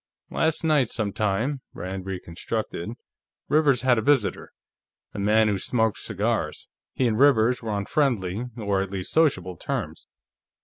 "Last night, sometime," Rand reconstructed, "Rivers had a visitor. A man, who smoked cigars. He and Rivers were on friendly, or at least sociable, terms.